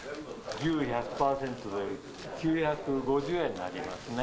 牛１００％で９５０円になりますね。